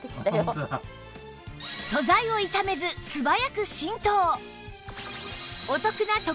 素材を痛めず素早く浸透